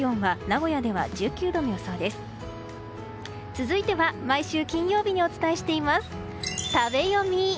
続いては毎週金曜日にお伝えしています食べヨミ！